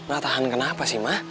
gak tahan kenapa sih ma